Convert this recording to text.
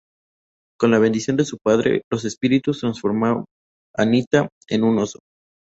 Con la bendición de su padre, los Espíritus transforman a Nita en un oso.